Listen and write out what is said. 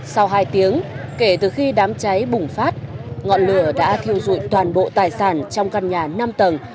sau hai tiếng kể từ khi đám cháy bùng phát ngọn lửa đã thiêu dụi toàn bộ tài sản trong căn nhà năm tầng